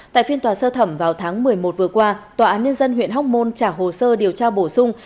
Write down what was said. tại phiên tòa sơ thẩm vào tháng một mươi một vừa qua tòa án nhân dân huyện hóc môn trả hồ sơ điều tra bổ sung